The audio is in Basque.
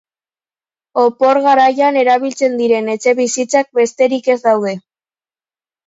Opor garaian erabiltzen diren etxebizitzak besterik ez daude.